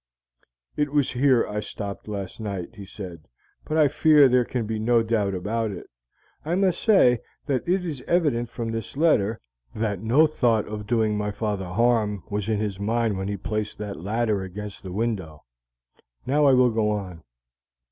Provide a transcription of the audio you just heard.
"It was here I stopped last night," he said, "but I fear there can be no doubt about it. I must say that it is evident from this letter, that no thought of doing my father harm was in his mind when he placed that ladder against the window. Now I will go on."